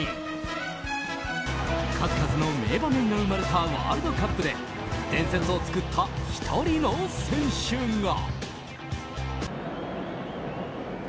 数々の名場面が生まれたワールドカップで伝説を作った１人の選手が。